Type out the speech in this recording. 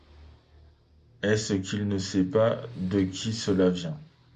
Est-ce qu’il ne sait pas de qui cela vient ?